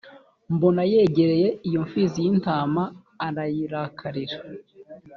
mbona yegereye iyo mpfizi y intama irayirakarira.